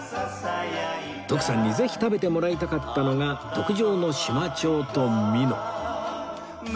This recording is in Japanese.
徳さんにぜひ食べてもらいたかったのが特上のシマチョウとミノ